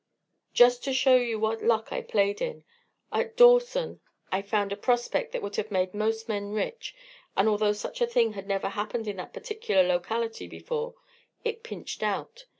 "Just to show you what luck I played in: at Dawson I found a prospect that would have made most men rich, and although such a thing had never happened in that particular locality before, it pinched out.